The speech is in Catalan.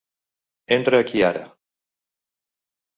Entra aquí ara.